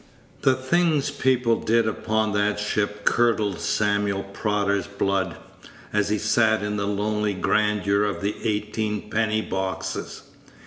The things people did upon that ship curdled Samuel Prodder's blood, as he sat in the lonely grandeur of the eighteen penny boxes.